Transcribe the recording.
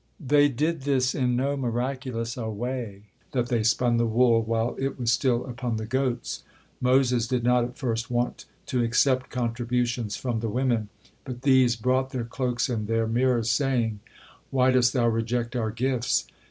They did this in no miraculous a way, that they spun the wool while it was still upon the goats. Moses did not at first want to accept contributions from the women, but these brought their cloaks and their mirrors, saying: "Why dost thou reject our gifts?